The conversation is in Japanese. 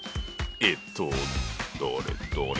えっとどれどれ。